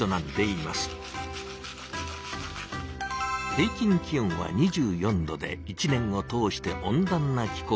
平きん気温は２４℃で１年を通して温暖な気候です。